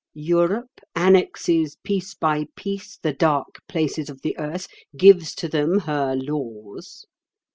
Europe annexes piece by piece the dark places of the earth, gives to them her laws.